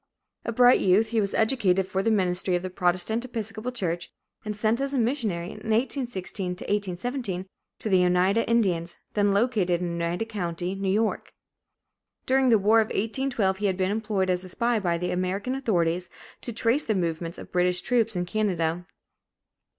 A bright youth, he was educated for the ministry of the Protestant Episcopal church and sent as a missionary in 1816 1817 to the Oneida Indians, then located in Oneida county, New York. During the war of 1812, he had been employed as a spy by the American authorities to trace the movements of British troops in Canada.